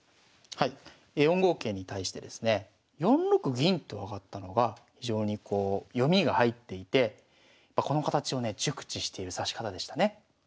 ４五桂に対してですね４六銀と上がったのが非常にこう読みが入っていてこの形をね熟知している指し方でしたね。